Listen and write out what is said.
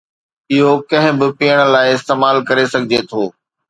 اهو ڪنهن به پيئڻ لاء استعمال ڪري سگهجي ٿو.